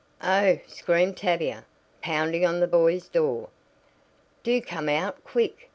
"Oh!" screamed Tavia, pounding on the boys' door. "Do come out quick!